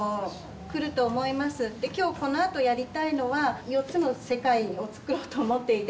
で今日このあとやりたいのは４つの世界をつくろうと思っていて。